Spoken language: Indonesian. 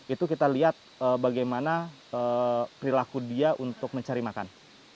itu kita lihat bagaimana perilaku dia untuk mencari makan